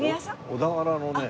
小田原のね。